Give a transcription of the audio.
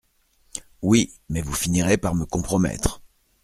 Oui ; mais vous finirez par me compromettre…